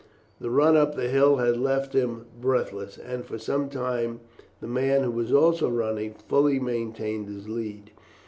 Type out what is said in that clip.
The run up the hill had left him breathless, and for some time the man, who was also running, fully maintained his lead.